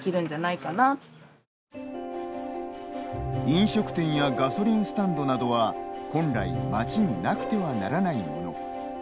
飲食店やガソリンスタンドなどは本来町になくてはならないもの。